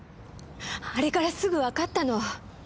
あれからすぐわかったの。